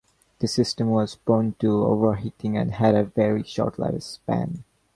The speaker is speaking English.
This system was prone to overheating and had a very short life span.